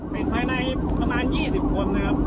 เป็นภายในประมาณ๒๐คนนะครับ